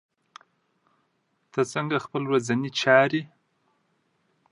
ته څنګه خپل ورځني چاري